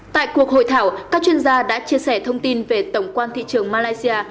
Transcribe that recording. tại cuộc hội thảo các chuyên gia đã chia sẻ thông tin về tổng quan thị trường malaysia